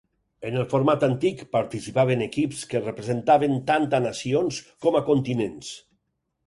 En el format antic participaven equips que representaven tant a nacions com a continents.